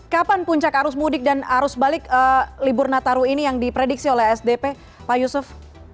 kapan puncak arus mudik dan arus balik libur nataru ini yang diprediksi oleh sdp pak yusuf